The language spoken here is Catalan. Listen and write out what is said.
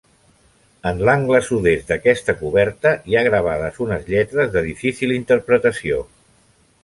En l'angle sud-est d'aquesta coberta hi ha gravades unes lletres de difícil interpretació.